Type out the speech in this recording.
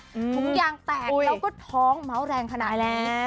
ถุงยางแตกแล้วก็ท้องเมาส์แรงทนายแล้ว